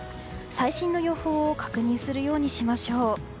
最新の予報を確認するようにしましょう。